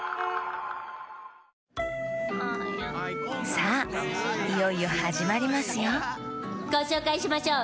さあいよいよはじまりますよごしょうかいしましょう。